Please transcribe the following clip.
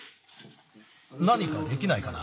なにかできないかな？